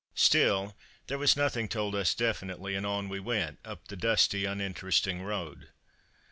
Still, there was nothing told us definitely, and on we went, up the dusty, uninteresting road.